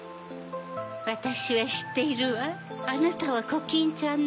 わたしはしっているわあなたはコキンちゃんね。